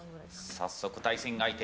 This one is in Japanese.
早速、対戦相手。